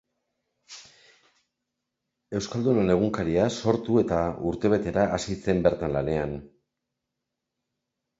Euskaldunon Egunkaria sortu eta urtebetera hasi zen bertan lanean.